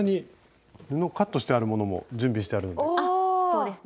そうですね。